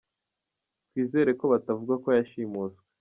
Twizere ko batavuga ko yashimushwe !